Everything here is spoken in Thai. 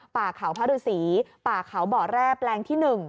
ป่าเขาพระฤษีป่าเขาบ่อแร่แปลงที่๑